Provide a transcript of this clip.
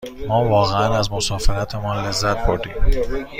ما واقعاً از مسافرتمان لذت بردیم.